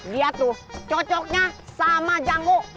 dia tuh cocoknya sama janggo